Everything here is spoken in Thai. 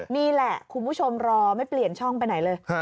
นี่แหละคุณผู้ชมรอไม่เปลี่ยนช่องไปไหนเลย